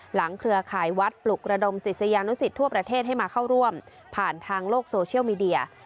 เครือข่ายวัดปลุกระดมศิษยานุสิตทั่วประเทศให้มาเข้าร่วมผ่านทางโลกโซเชียลมีเดีย